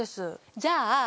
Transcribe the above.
じゃあ